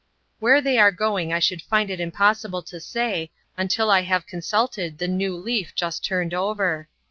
Where they are going I should find it impossible to say, until I have consulted the new leaf just turned over.